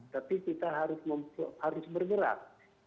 tapi kita harus bergerak